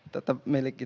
tetap milik its